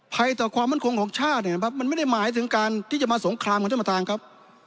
ภัยต่อความมั่นคงของชาตินะครับมันไม่ได้หมายถึงการที่จะมาสงครามของท่านประธานครับ